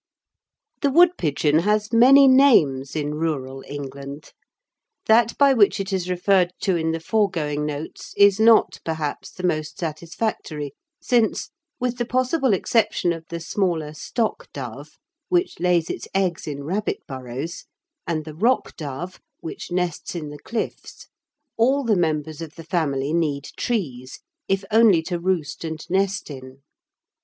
The woodpigeon has many names in rural England. That by which it is referred to in the foregoing notes is not, perhaps, the most satisfactory, since, with the possible exception of the smaller stock dove, which lays its eggs in rabbit burrows, and the rock dove, which nests in the cliffs, all the members of the family need trees, if only to roost and nest in.